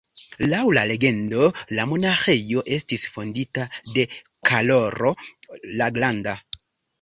Laŭ la legendo la monaĥejo estis fondita de Karolo la Granda.